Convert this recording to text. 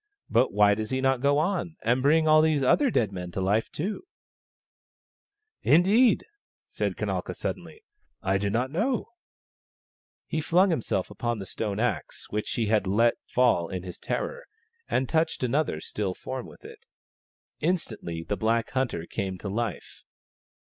But why does he not go on, and bring all these other dead men to life too ?" THE STONE AXE OF BURKAMUKK 41 " Indeed," said Kanalka suddenly, " I do not know." He flung himself upon the stone axe, which he had let fall in his terror, and touched another still form with it. Instantly the black hunter came to life.